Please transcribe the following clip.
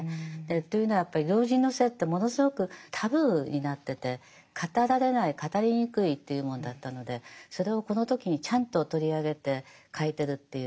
というのはやっぱり老人の性ってものすごくタブーになってて語られない語りにくいというもんだったのでそれをこの時にちゃんと取り上げて書いてるっていう。